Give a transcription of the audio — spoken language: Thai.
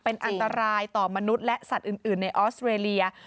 เป็นอันตรายต่อมนุษย์และสัตว์อื่นในออสเตรเลีย